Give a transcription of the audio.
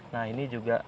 nah ini juga